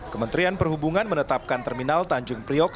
kementerian perhubungan menetapkan terminal tanjung priok